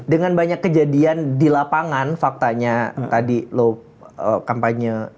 dengan banyak kejadian di lapangan faktanya tadi loh kampanye